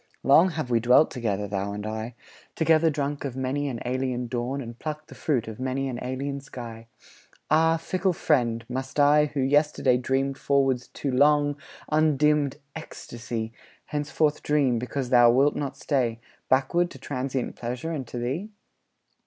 Long have we dwelt together, thou and I; Together drunk of many an alien dawn, And plucked the fruit of many an alien sky. Ah, fickle friend, must I, who yesterday Dreamed forwards to long, undimmed ecstasy, Henceforward dream, because thou wilt not stay, Backward to transient pleasure and to thee?